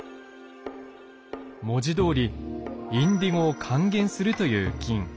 文字どおりインディゴを還元するという菌。